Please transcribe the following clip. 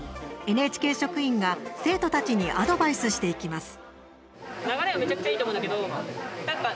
ＮＨＫ職員が生徒たちにアドバイスしていきます。